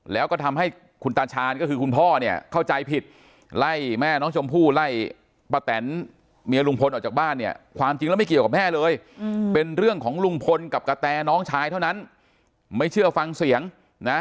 แล้วก็ทำให้คุณตาชาญก็คือคุณพ่อเนี่ยเข้าใจผิดไล่แม่น้องชมพู่ไล่ป้าแตนเมียลุงพลออกจากบ้านเนี่ยความจริงแล้วไม่เกี่ยวกับแม่เลยเป็นเรื่องของลุงพลกับกะแตน้องชายเท่านั้นไม่เชื่อฟังเสียงนะ